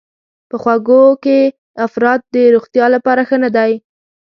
په خوږو کې افراط د روغتیا لپاره ښه نه دی.